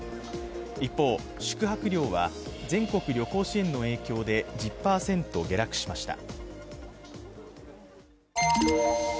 一方、宿泊料は全国旅行支援の影響で１０％下落しました。